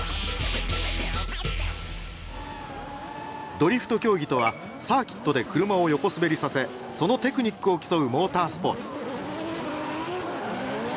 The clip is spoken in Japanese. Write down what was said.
ドリフト競技とはサーキットで車を横滑りさせそのテクニックを競うモータースポーツ。